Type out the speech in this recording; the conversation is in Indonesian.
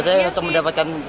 maksudnya untuk mendapatkan